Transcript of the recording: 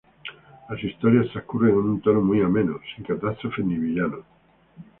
Las historias transcurren en un tono muy ameno, sin catástrofes ni villanos.